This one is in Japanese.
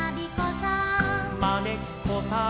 「まねっこさん」